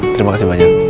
terima kasih banyak